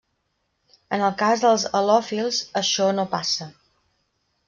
En el cas dels halòfils, això no passa.